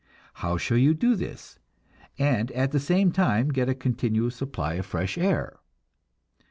How shall you do this, and at the same time get a continual supply of fresh air?